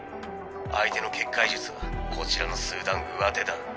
相手の結界術はこちらの数段うわてだ。